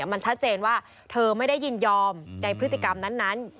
มันชัดเจนว่าเธอไม่ได้ยินยอมในพฤติกรรมนั้น